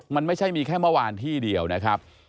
มันไม่ใช่มีแค่เมื่อวานที่เดียวนะครับ